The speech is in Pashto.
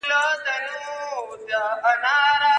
که به زما په دعا کیږي تا دی هم الله مین کړي